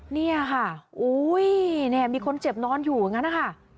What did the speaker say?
นี่ค่ะมีคนเจ็บนอนอยู่อย่างนั้นค่ะ